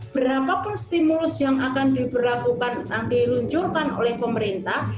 berapapun stimulus yang akan diluncurkan oleh pemerintah